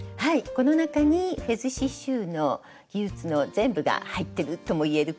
この中にフェズ刺しゅうの技術の全部が入ってるとも言えるくらい。